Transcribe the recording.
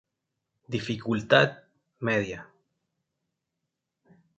Dificultad: Media.